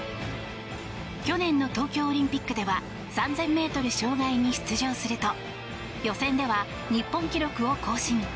去年の東京オリンピックでは３０００ｍ障害に出場すると予選では日本記録を更新。